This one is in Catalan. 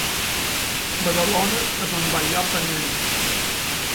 Badalona es un bon lloc per anar-hi